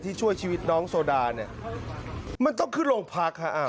ช่วยชีวิตน้องโซดาเนี่ยมันต้องขึ้นโรงพักฮะ